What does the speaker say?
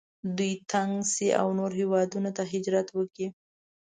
دوی تنګ شي او نورو هیوادونو ته هجرت وکړي.